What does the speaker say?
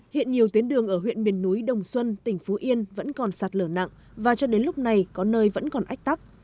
hiện nhiều tuyến đường ở huyện miền núi đồng xuân tỉnh phú yên vẫn còn sạt lở nặng và cho đến lúc này có nơi vẫn còn ách tắc